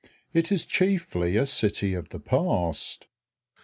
It is chiefly a city of the past.